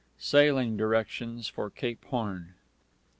_ Sailing directions for Cape Horn.